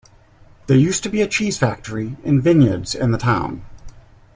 There used to be a cheese factory and vineyards in the town.